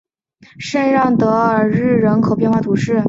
圣让德韦尔日人口变化图示